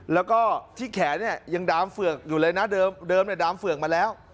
แล้วก็ที่แขเนี่ยยังดามเผื่องอยู่เลยนะเดิมดิร์มเนี่ยดามเผื่องมาแล้ว